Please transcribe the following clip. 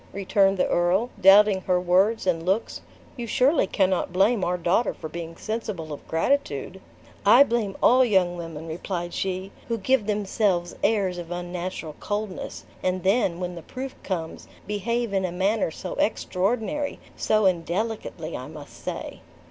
returned the earl, doubting her words and looks; "you surely cannot blame our daughter for being sensible of gratitude." "I blame all young women," replied she, "who give themselves airs of unnatural coldness; and then, when the proof comes, behave in a manner so extraordinary, so indelicately, I must say."